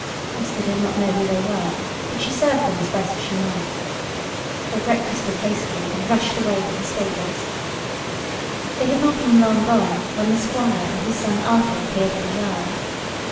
Esther did not know who they were, but she served them as best she might. They breakfasted hastily and rushed away to the stables; and they had not been long gone when the squire and his son Arthur appeared in the yard.